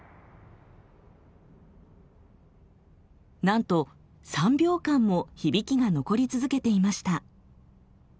なんと３秒間も響きが残り続けていました。